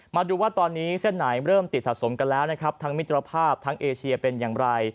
มาดูว่าตอนนี้เส้นไหนเริ่มติดสะสมกันแล้วนะครับทั้งมิตรภาพทั้งเอเชียเป็นอย่างไร